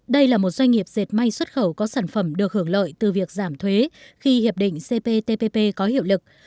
đây là một doanh nghiệp dệt may xuất khẩu có sản phẩm được hưởng lợi từ việc giảm thuế khi hiệp định cptpp có hiệu lực